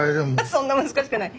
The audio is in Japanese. そんな難しくない。